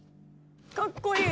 かっこいい！